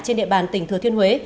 trên địa bàn tỉnh thừa thiên huế